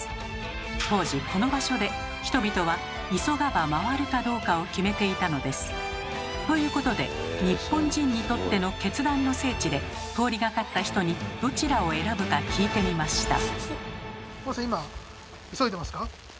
当時この場所で人々は急がば回るかどうかを決めていたのです。ということで日本人にとっての決断の聖地で通りがかった人にどちらを選ぶか聞いてみました。